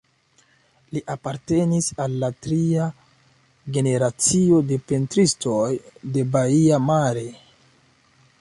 Li apartenis al la tria generacio de pentristoj de Baia Mare.